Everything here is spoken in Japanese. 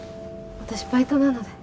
私バイトなので。